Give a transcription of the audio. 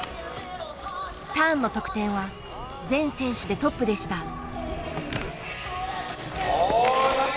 ターンの得点は全選手でトップでした。